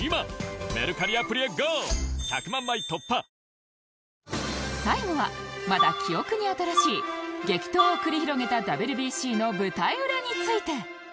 最高の渇きに ＤＲＹ最後はまだ記憶に新しい激闘を繰り広げた ＷＢＣ の舞台裏について